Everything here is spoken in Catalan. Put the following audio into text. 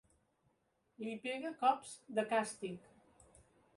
Li pega cops de càstig.